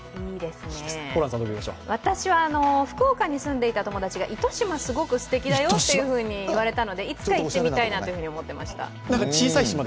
私は福岡に住んでいた友達が糸島すごくすてきだよといわれたのでいつか行ってみたいなと思っていました。